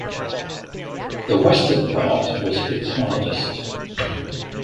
The Western part was hit hardest.